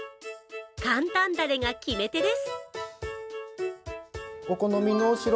簡単だれが決め手です。